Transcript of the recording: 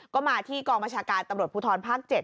ก็มาที่กองบัญชาการตำรวจภูทรภาค๗